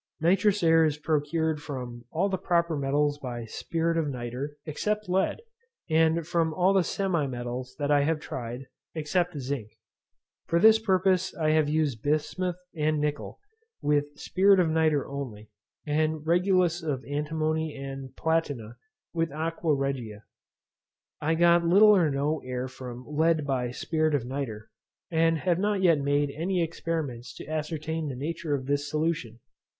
Nitrous air is procured from all the proper metals by spirit of nitre, except lead, and from all the semi metals that I have tried, except zinc. For this purpose I have used bismuth and nickel, with spirit of nitre only, and regulus of antimony and platina, with aqua regia. I got little or no air from lead by spirit of nitre, and have not yet made any experiments to ascertain the nature of this solution.